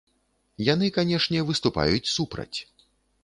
Яны, канешне, выступаюць супраць.